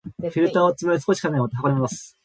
フィルターをつまみ、少し考え、また箱に戻す